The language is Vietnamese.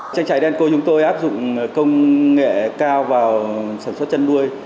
trang trại đen cô chúng tôi áp dụng công nghệ cao vào sản xuất chăn nuôi